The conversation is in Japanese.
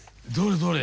どれ？